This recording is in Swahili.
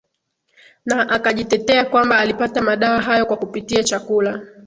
na akajitetea kwamba alipata madawa hayo kwa kupitia chakula